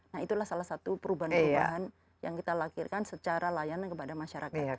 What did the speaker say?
nah itulah salah satu perubahan perubahan yang kita lahirkan secara layanan kepada masyarakat